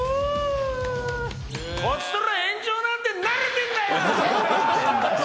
こちとら炎上なんて慣れてんだよ！